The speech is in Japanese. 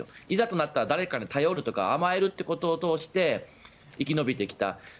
いざとなったら誰かに頼る甘えるということを通して生き延びてきた。